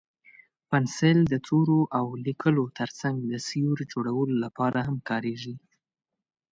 پنسل د تورو او لیکلو تر څنګ د سیوري جوړولو لپاره هم کارېږي.